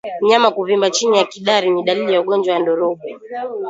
Mnyama kuvimba chini ya kidari ni dalili ya ugonjwa wa ndorobo